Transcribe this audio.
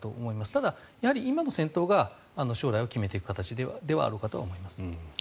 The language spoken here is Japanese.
ただ、今の戦闘が将来を決めていく形ではあろうかと思います。